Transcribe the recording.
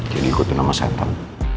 jadi ikutin sama setahun